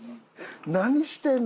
何してんの？